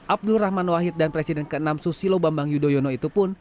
abdul rahman wahid dan presiden ke enam susilo bambang yudhoyono itu pun